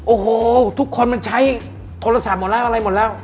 โอ้โหทุกคนมันใช้โทรศัพท์หมดแล้วอะไรหมดแล้ว